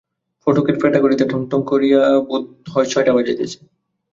ফটকের পেটাঘাঁড়িতে ঠং ঠাং করিয়া বোধ হয় ছটা বাজাইতেছে।